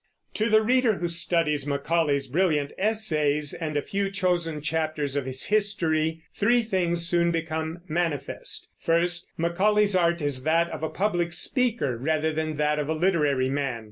To the reader who studies Macaulay's brilliant essays and a few chosen chapters of his History, three things soon become manifest. First, Macaulay's art is that of a public speaker rather than that of a literary man.